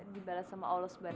dibalas sama allah swt